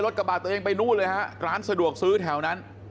กระบาดตัวเองไปนู่นเลยฮะร้านสะดวกซื้อแถวนั้น